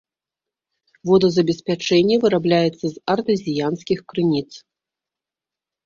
Водазабеспячэнне вырабляецца з артэзіянскіх крыніц.